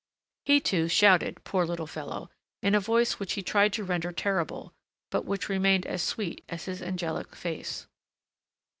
He, too, shouted, poor little fellow, in a voice which he tried to render terrible, but which remained as sweet as his angelic face.